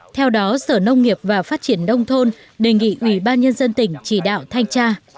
theo đó sở nông nghiệp và phát triển đông thôn đề nghị ủy ban nhân dân tỉnh chỉ đạo thanh tra